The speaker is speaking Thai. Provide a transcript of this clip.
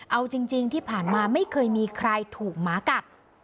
เอาจริงที่ผ่านมาไม่เคยมีใครถูกหมากัด